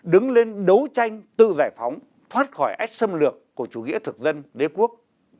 đứng lên đấu tranh tự giải phóng thoát khỏi ách xâm lược của chủ nghĩa thực dân đế quốc